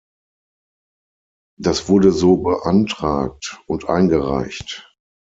Das wurde so beantragt und eingereicht.